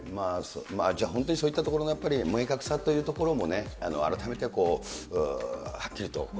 じゃあ本当に、そういったところのやっぱり明確さというところも改めて、はっき